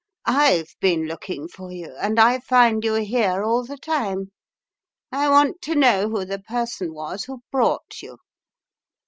IVe been looking for you, and I find you here all the time. I want to know who the person was who brought you."